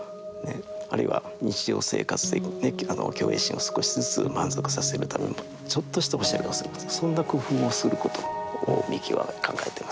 あるいは日常生活で虚栄心を少しずつ満足させるためにもちょっとしたおしゃれをするとかそんな工夫をすることを三木は考えてます。